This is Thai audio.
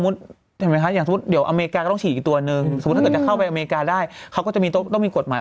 ต้นต่อเดียวกันก็น่าจะ